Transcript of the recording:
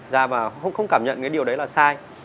ra và không cảm nhận cái điều đấy là sai